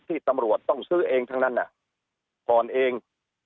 ที่ตำรวจต้องซื้อเองทั้งนั้นก่อนเอง